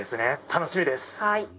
楽しみです。